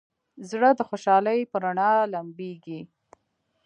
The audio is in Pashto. زړه د خوشحالۍ په رڼا لمبېږي.